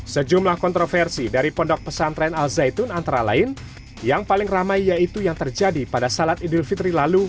sejumlah kontroversi dari pondok pesantren al zaitun antara lain yang paling ramai yaitu yang terjadi pada salat idul fitri lalu